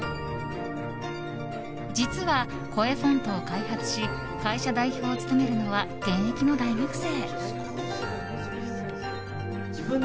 実は、ＣｏｅＦｏｎｔを開発し会社代表を務めるのは現役の大学生。